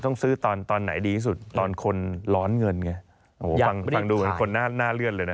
ต้องซื้อตอนตอนไหนดีที่สุดตอนคนร้อนเงินไงโอ้โหฟังฟังดูเหมือนคนหน้าหน้าเลื่อนเลยนะ